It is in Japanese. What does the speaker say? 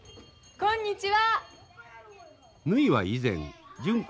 こんにちは！